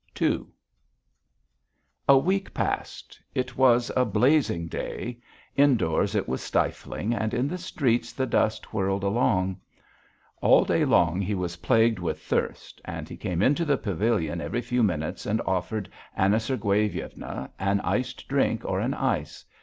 II A week passed. It was a blazing day. Indoors it was stifling, and in the streets the dust whirled along. All day long he was plagued with thirst and he came into the pavilion every few minutes and offered Anna Sergueyevna an iced drink or an ice.